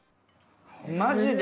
マジで？